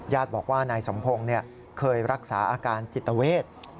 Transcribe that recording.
บอกว่านายสมพงศ์เคยรักษาอาการจิตเวท